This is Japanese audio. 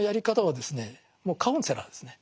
もうカウンセラーですね。